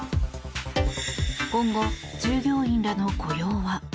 今後、従業員らの雇用は。